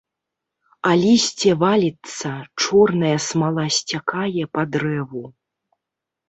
А лісце валіцца, чорная смала сцякае па дрэву.